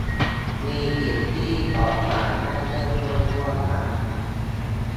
มีสิ่งที่สองฝ่ายได้เริ่มต้นร่วมกัน